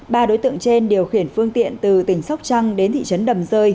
ba đối tượng trên điều khiển phương tiện từ tỉnh sóc trăng đến thị trấn đầm rơi